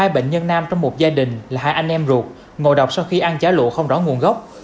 bệnh nhân nam trong một gia đình là hai anh em ruột ngộ độc sau khi ăn chả lụa không rõ nguồn gốc